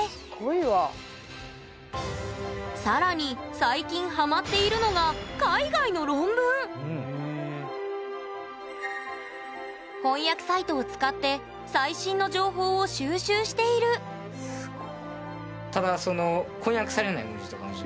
更に最近ハマっているのが翻訳サイトを使って最新の情報を収集しているすご。